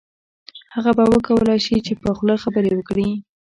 هغه به وکولای شي چې په خوله خبرې وکړي